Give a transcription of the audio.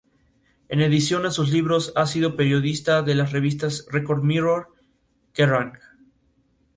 En adición a sus libros, ha sido periodista para las revistas "Record Mirror", "Kerrang!